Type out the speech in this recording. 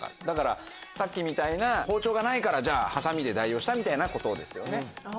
だからさっきみたいな包丁がないからじゃあハサミで代用したみたいなことですよね。